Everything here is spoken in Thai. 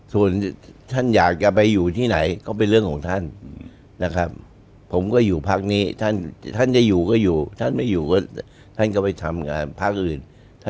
ส่วนท่านอยากจะไปอยู่ที่ไหนก็เป็นเรื่องของท่านนะครับผมก็อยู่พักนี้ท่านจะอยู่ก็อยู่ท่านไม่อยู่ก็ท่านก็ไปทำงานพักอื่น